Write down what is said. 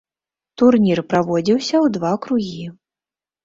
Турнір праводзіўся ў два кругі.